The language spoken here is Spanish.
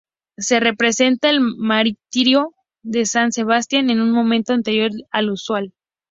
Se representa el martirio de san Sebastián en un momento anterior al usual.